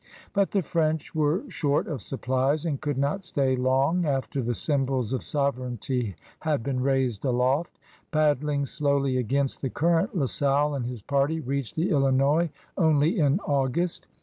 But the French were short of supplies and could not stay long after the symbols of soverdgnty had been raised aloft. Paddling slowly against the current^ La Salle and his party reached the Illinois only in August.